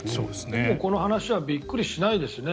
この話はびっくりしないですね。